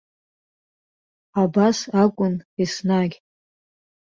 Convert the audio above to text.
Абас акәын еснагь.